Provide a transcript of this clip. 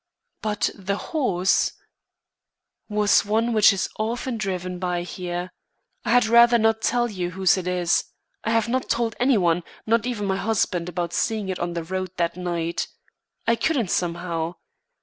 "But the horse " "Was one which is often driven by here. I had rather not tell you whose it is. I have not told any one, not even my husband, about seeing it on the road that night. I couldn't somehow.